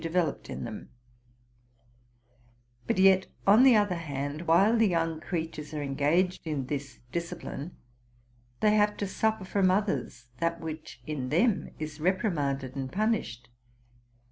developed in them ; but yet, on the other hand, while the young creatures are engaged in this discipline, they have to suffer from others that which in them is reprimanded and punished.